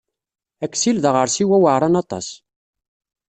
Aksil d aɣersiw aweɛṛan aṭas.